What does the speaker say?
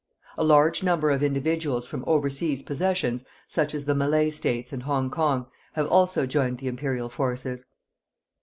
A large number of individuals from overseas possessions, such as the Malay States and Hong Kong, have also joined the Imperial forces.